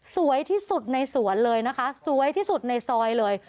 สวยที่สุดในสวนเลยนะคะสวยที่สุดในซอยเลย